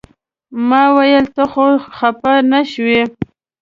ما ویل ته خو خپه نه شوې.